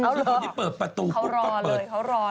อ๋อเหรอเพราะคนที่เปิดประตูก็เปิดเขารอเลยเขารอเลย